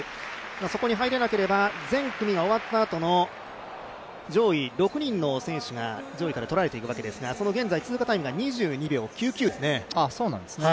そこに入れなければ全組が終わったあとの上位６人の選手が上位からとられていくわけですが現在通過タイムが２２秒９９ですね。